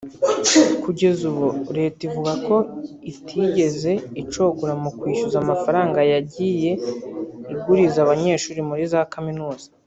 Kugeza ubu Leta ivuga ko itigeze icogora mu kwishyuza amafaranga yagiye iguriza abanyeshuli muri za kaminuza